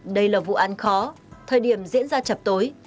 đây là vụ án khó thời điểm diễn ra chập tối